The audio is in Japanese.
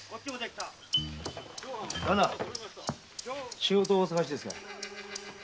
仕事をお探しで？